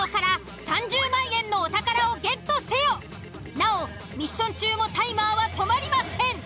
なおミッション中もタイマーは止まりません。